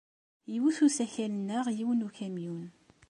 Iwet usakal-nneɣ yiwen n ukamyun.